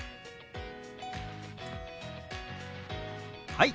はい！